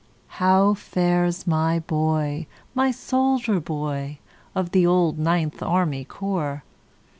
"How fares my boy,—my soldier boy, Of the old Ninth Army Corps?